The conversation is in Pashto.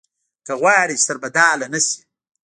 که غواړې چې سربډاله نه شې.